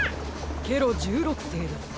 ケロ１６世です。